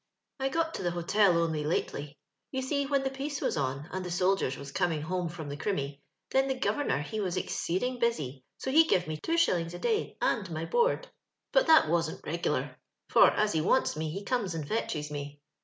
" I got to the hotel only lately. You see, when the peace was on and the soldiers was coming home from the Crimmy, then the go vernor he was exceeding busy, so he give me two shillings a day and my board ; but that wasn't reg'lar, for as he wants me he comes and fetches me.